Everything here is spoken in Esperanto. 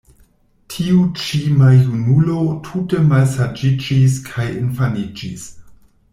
Tiu ĉi maljunulo tute malsaĝiĝis kaj infaniĝis.